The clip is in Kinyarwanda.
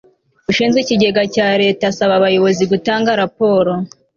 ushinzwe ikigega cya leta asaba abayobozi gutanga raporo